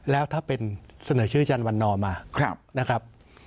แล้วถ้าเป็นเสนอชื่อจันวันนอมานะครับ